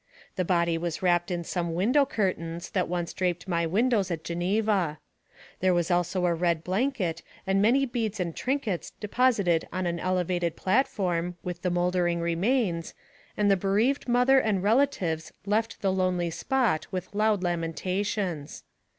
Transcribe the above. The body was wrapped in some window curtains that once draped my windows at Geneva. There was also a red blanket and many beads and trinkets deposited on an elevated platform, with the moldering remains, and the bereaved mother and relatives left the lonely spot with loud lamenta AMONG THE SIOUX INDIANS. 99 tions.